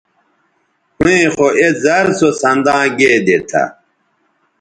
ھویں خو اے زر سو سنداں گیدے تھا